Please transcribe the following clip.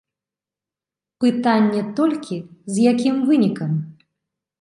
Пытанне толькі, з якім вынікам?